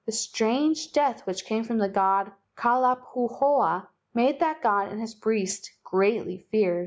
The strange death which came from the god Kalai pahoa made that god and his priest greatly feared.